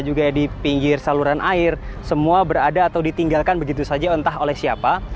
juga di pinggir saluran air semua berada atau ditinggalkan begitu saja entah oleh siapa